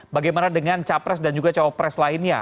bagaimana dengan capres dan juga calon pres lainnya